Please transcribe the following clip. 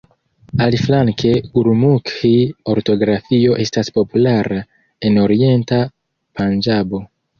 Aliflanke gurumukhi-ortografio estas populara en orienta Panĝabo.